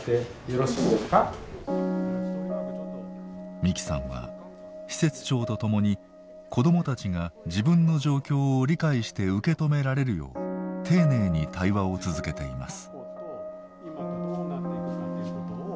美希さんは施設長とともに子どもたちが自分の状況を理解して受け止められるよう丁寧に対話を続けています。